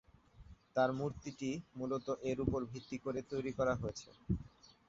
তার মূর্তিটি মূলত এর উপর ভিত্তি করে তৈরি করা হয়েছে।